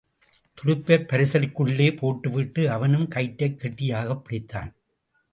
துடுப்பைப் பரிசலுக்குள்ளே போட்டுவிட்டு அவனும் கயிற்றைக் கெட்டியாகப் பிடித்தான்.